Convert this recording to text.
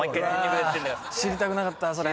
知りたくなかったそれ。